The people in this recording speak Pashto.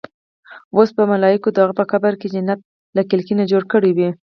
اوس به ملايکو د هغه په قبر کې جنت له کړکۍ جوړ کړې وي.